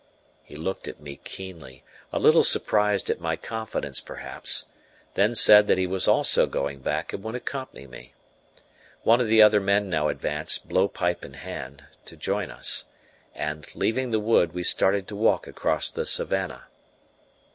He looked at me keenly, a little surprised at my confidence perhaps, then said that he was also going back and would accompany me One of the other men now advanced, blow pipe in hand, to join us, and, leaving the wood, we started to walk across the savannah.